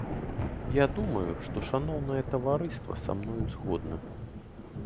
Я думаю, што шаноўнае таварыства са мною згодна?